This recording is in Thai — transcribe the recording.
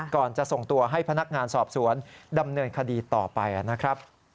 ก่อนจะส่งตัวให้พนักงานสอบสวนดำเนินคดีต่อไปนะครับ